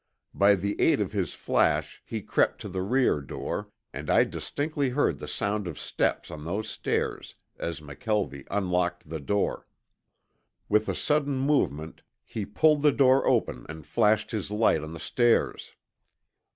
By the aid of his flash he crept to the rear door, and I distinctly heard the sound of steps on those stairs as McKelvie unlocked the door. With a sudden movement he pulled the door open and flashed his light on the stairs.